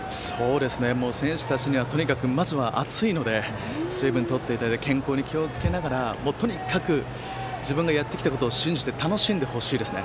選手たちにはとにかくまずは暑いので水分を取って健康に気をつけながらとにかく自分がやってきたことを信じて楽しんでほしいですね。